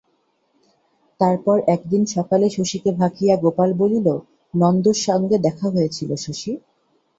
তারপর একদিন সকালে শশীকে ভাকিয়া গোপাল বলিল, নন্দর সঙ্গে দেখা হয়েছিল শশী।